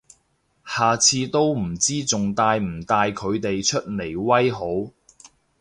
下次都唔知仲帶唔帶佢哋出嚟威好